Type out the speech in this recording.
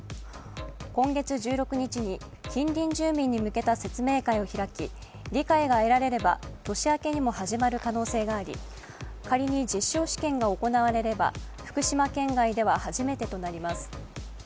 今月１６日に近隣住民に向けた説明会を開き理解が得られれば年明けにも始まる可能性があり仮に実証試験が行われれば福島県外では初めてとなります。